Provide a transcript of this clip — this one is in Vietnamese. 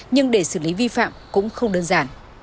nhưng để xử lý vi phạm cũng không đơn giản